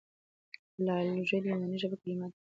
فلالوژي د یوناني ژبي کليمه ده.